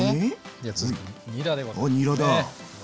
じゃあ続いてにらでございますね。